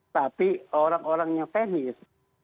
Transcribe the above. tapi orang orang yang tenis